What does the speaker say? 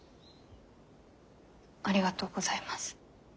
ありがとうございます。